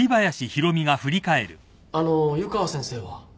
あの湯川先生は？